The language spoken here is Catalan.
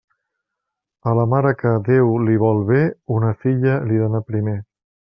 A la mare que Déu li vol bé, una filla li dóna primer.